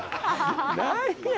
何や？